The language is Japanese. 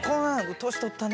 年取ったね。